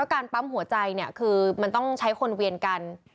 การปั๊มหัวใจเนี่ยคือมันต้องใช้คนเวียนกัน